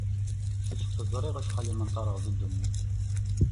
Kečč teẓriḍ acḥal i mmenṭreɣ di ddunit.